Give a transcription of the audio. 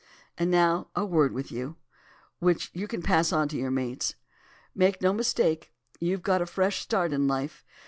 And now, a word with you; which you can pass on to your mates. Make no mistake, you've got a fresh start in life!